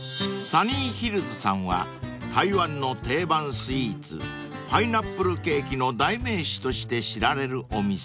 ［台湾の定番スイーツパイナップルケーキの代名詞として知られるお店］